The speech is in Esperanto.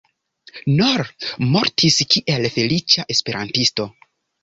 Noll mortis kiel feliĉa esperantisto.